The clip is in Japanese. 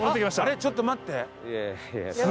ちょっと待って！